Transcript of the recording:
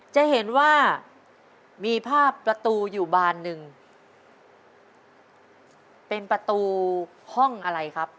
จำได้